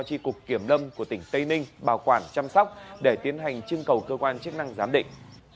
tri cục kiểm lâm của tỉnh tây ninh bảo quản chăm sóc để tiến hành trưng cầu cơ quan chức năng giám định